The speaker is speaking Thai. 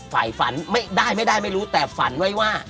ไฟฟันได้ไม่ได้ไม่รู้แต่ฟันไว้ว่า